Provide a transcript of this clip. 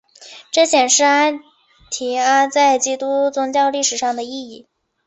这显示安提阿在基督宗教历史上的意义。